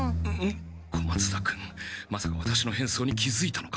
小松田君まさかワタシのへんそうに気づいたのか？